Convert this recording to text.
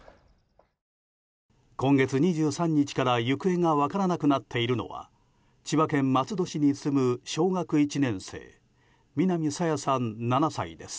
今月２３日から行方が分からなくなっているのは千葉県松戸市に住む小学１年生南朝芽さん、７歳です。